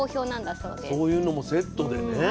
そういうのもセットでね。